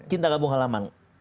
cinta kampung halaman